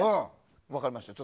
分かりました。